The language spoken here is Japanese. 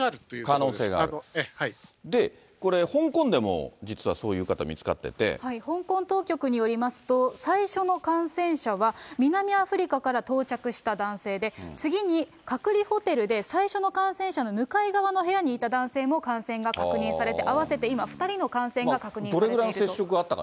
これ、香港でも実はそういう方、香港当局によりますと、最初の感染者は南アフリカから到着した男性で、次に隔離ホテルで最初の感染者の向かい側の部屋にいた男性も感染が確認されて、合わせて今２人の感染が確認されているということどれぐらいの接触があったか